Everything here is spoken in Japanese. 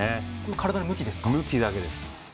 体の向きだけでです。